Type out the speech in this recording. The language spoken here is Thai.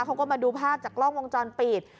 เขาก็มาดูภาพจากกล้องวงจรปิด